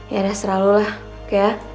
yaudah serah lu lah oke ya